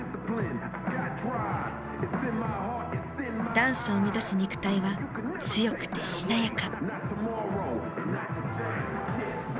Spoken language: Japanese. ダンスを生み出す肉体は強くてしなやか。